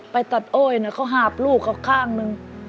ไปตัดโอ้ยเขาหาบลูกเขาข้างนึง